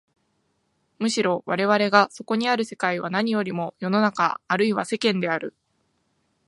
むしろ我々がそこにある世界は何よりも世の中あるいは世間である。